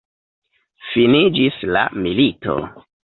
Finiĝis la milito!